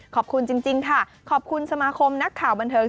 ขอบคุณจริงค่ะขอบคุณสมาคมนักข่าวบันเทิง